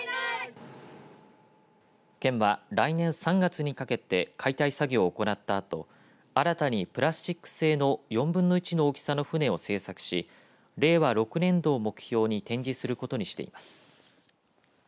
県は、来年３月にかけて解体作業を行ったあと新たにプラスチック製の４分の１の大きさの船を製作し令和６年度を目標に展示することにしています。